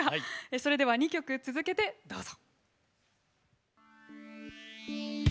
それでは２曲続けてどうぞ。